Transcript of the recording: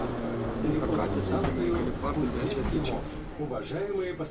Din păcate, suntem încă departe de aceste cifre.